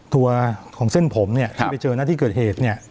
ตัวของเส้นผมเนี่ยที่ไปเจอหน้าที่เกิดเหตุเนี่ย